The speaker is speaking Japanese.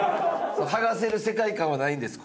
剥がせる世界観はないんです